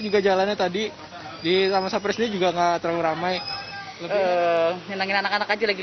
juga jalannya tadi di taman safari juga nggak terlalu ramai nyenangin anak anak aja lagi